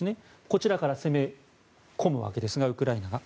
こちらから攻め込むわけですがウクライナが。